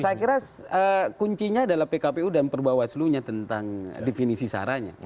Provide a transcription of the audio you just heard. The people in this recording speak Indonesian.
saya kira kuncinya adalah pkpu dan perbawaslu nya tentang definisi saranya